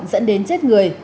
dẫn đến chết người